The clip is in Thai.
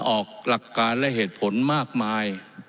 ออกหลักการและเหตุผลมากมาย